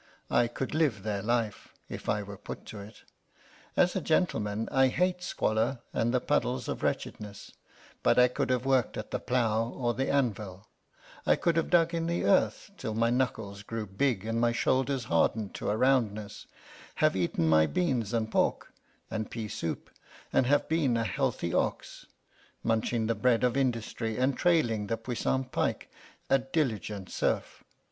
I could live their life, if I were put to it. As a gentleman, I hate squalor and the puddles of wretchedness but I could have worked at the plough or the anvil; I could have dug in the earth till my knuckles grew big and my shoulders hardened to a roundness, have eaten my beans and pork and pea soup, and have been a healthy ox, munching the bread of industry and trailing the puissant pike, a diligent serf.